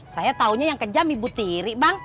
saya taunya yang kejam ibu tiri bang